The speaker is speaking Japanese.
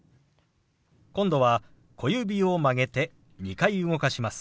今度は小指を曲げて２回動かします。